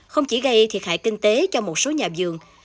không chỉ gây thiệt hại kinh tế cho một số nhà vườn